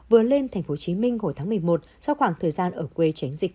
vừa lên tp hcm hồi tháng một mươi một sau khoảng thời gian ở quê tránh dịch